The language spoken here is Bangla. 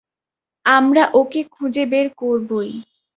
আমরা ওকে খুঁজে বের করবোই।